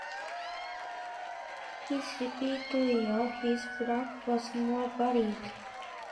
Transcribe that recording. His repertoire with Black was more varied.